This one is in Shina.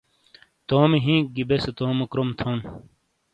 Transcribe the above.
تومی ہِین گی بیسے تومو کروم تھون۔